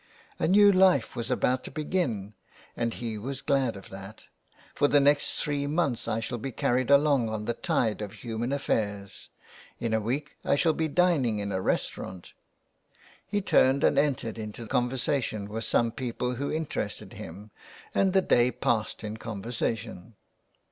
A new life was about to begin and he was glad of that. " For the next three months I shall be carried along on the tide of human affairs. In a week I shall be dining in a restaurant." He turned and entered into conversation with some people who in terested him, and the day passed in conversation.